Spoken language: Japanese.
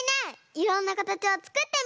いろんなかたちをつくってみたい！